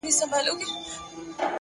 د یخې اوبو لومړی څاڅکی بدن بیداروي,